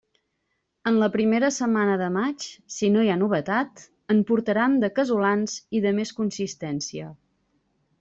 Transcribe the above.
En la primera setmana de maig, si no hi ha novetat, en portaran de casolans i de més consistència.